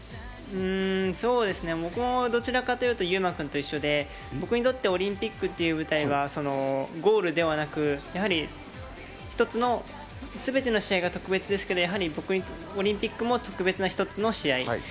僕もどちらかというと優真君と一緒で、僕にとってオリンピックっていう舞台はゴールではなく、やはり一つの全ての試合が特別ですけど、オリンピックも特別な一つの試合。